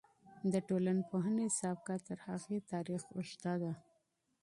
د ټولنپوهنې سابقه تر هغې تاريخ اوږده ده.